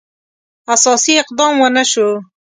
اساسي اقدام ونه شو.